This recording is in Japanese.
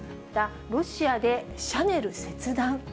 ロシアでシャネル切断。